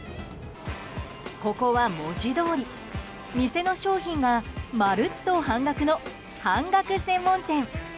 ここは文字どおり、店の商品がまるっと半額の半額専門店。